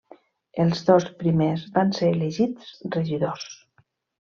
Els dos primers van ser elegits regidors.